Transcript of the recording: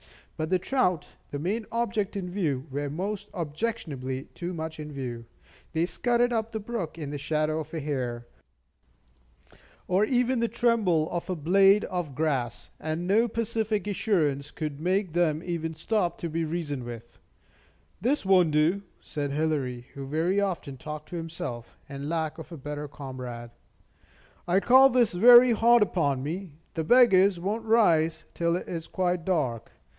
But the trout, the main object in view, were most objectionably too much in view. They scudded up the brook at the shadow of a hair, or even the tremble of a blade of grass; and no pacific assurance could make them even stop to be reasoned with, "This won't do," said Hilary, who very often talked to himself, in lack of a better comrade. "I call this very hard upon me. The beggars won't rise till it is quite dark.